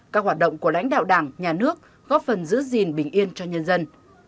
các hoạt động của lãnh đạo đảng nhà nước góp phần giữ gìn bình yên cho nhân dân